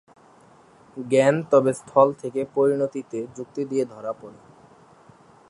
জ্ঞান তবে স্থল থেকে পরিণতিতে যুক্তি দিয়ে ধরা পড়ে।